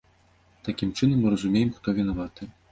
Такім чынам, мы разумеем, хто вінаваты.